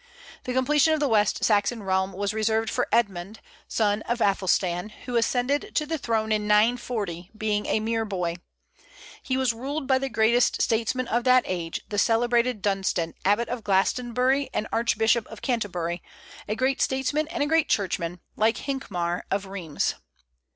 The completion of the West Saxon realm was reserved for Edmund, son of Aethelstan, who ascended the throne in 940, being a mere boy. He was ruled by the greatest statesman of that age, the celebrated Dunstan, Abbot of Glastonbury and Archbishop of Canterbury, a great statesman and a great Churchman, like Hincmar of Rheims.